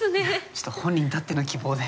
ちょっと本人たっての希望で。